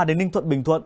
đến ninh thuận bình thuận